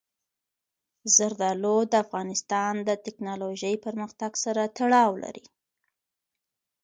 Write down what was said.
زردالو د افغانستان د تکنالوژۍ پرمختګ سره تړاو لري.